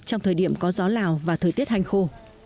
trong thời điểm có gió lào và thời tiết hành khô